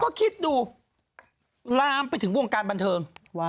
ก็คิดดูลามไปถึงวงการบันเทิง